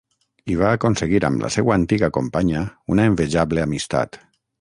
I va aconseguir amb la seua antiga companya una envejable amistat.